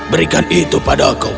berikan itu padaku